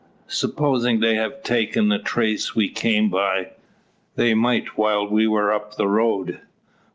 "Supposin' they've taken the trace we came by? They might while we were up the road."